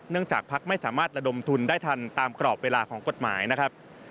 จากภักดิ์ไม่สามารถระดมทุนได้ทันตามกรอบเวลาของกฎหมายนะครับ